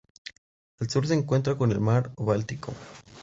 Al sur se encuentra con el Mar Báltico.